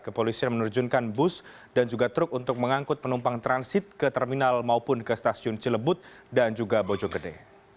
kepolisian menerjunkan bus dan juga truk untuk mengangkut penumpang transit ke terminal maupun ke stasiun cilebut dan juga bojonggede